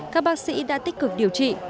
các bác sĩ đã tích cực điều trị